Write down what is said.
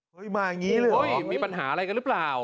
เฮ้ยมาอย่างนี้หรือเปล่าโอ๊ยมีปัญหาอะไรกันหรือเปล่า